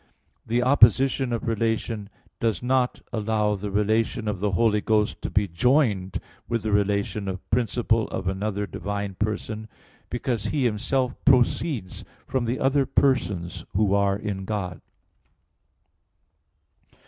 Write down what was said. The opposition of relation does not allow the relation of the Holy Ghost to be joined with the relation of principle of another divine person; because He Himself proceeds from the other persons who are in God.